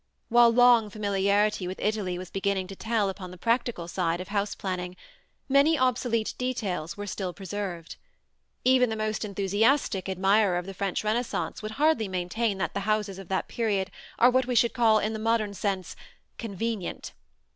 While long familiarity with Italy was beginning to tell upon the practical side of house planning, many obsolete details were still preserved. Even the most enthusiastic admirer of the French Renaissance would hardly maintain that the houses of that period are what we should call in the modern sense "convenient."